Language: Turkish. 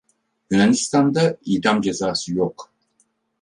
Yunanistan'da idam cezası yok.